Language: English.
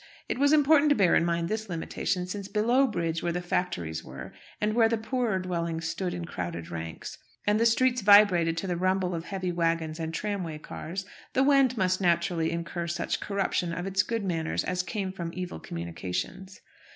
It was important to bear in mind this limitation, since below bridge, where the factories were, and where the poorer dwellings stood in crowded ranks, and the streets vibrated to the rumble of heavy waggons and tramway cars, the Wend must naturally incur such corruption of its good manners as came from evil communications.